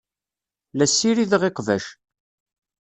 La ssirideɣ iqbac.